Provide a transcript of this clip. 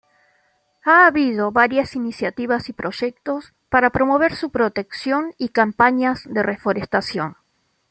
Ha habido varias iniciativas y proyectos para promover su protección y campañas de reforestación.